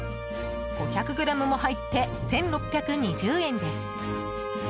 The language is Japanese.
５００ｇも入って１６２０円です。